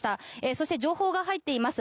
そして、情報が入っています。